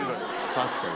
確かに。